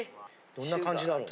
どんな感じだろう。